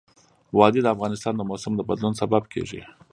وادي د افغانستان د موسم د بدلون سبب کېږي.